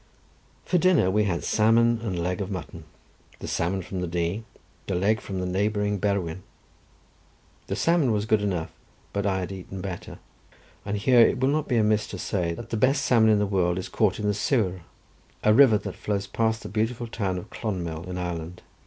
For dinner we had salmon and leg of mutton; the salmon from the Dee, the leg from the neighbouring Berwyn. The salmon was good enough, but I had eaten better; and here it will not be amiss to say, that the best salmon in the world is caught in the Suir, a river that flows past the beautiful town of Clonmel in Ireland.